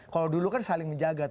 kalau dulu kan saling menjaga